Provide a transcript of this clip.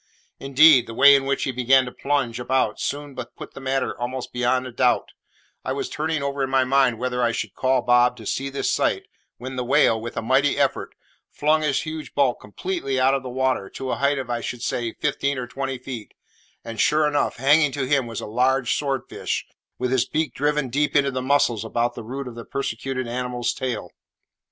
Indeed, the way in which he began to plunge about soon put the matter almost beyond a doubt I was turning over in my mind whether I should call Bob to see this sight, when the whale, with a mighty effort, flung his huge bulk completely out of the water, to a height of, I should say, fifteen or twenty feet; and, sure enough, hanging to him was a large sword fish, with his beak driven deep into the muscles about the root of the persecuted animal's tail.